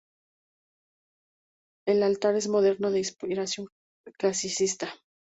El altar es moderno de inspiración clasicista.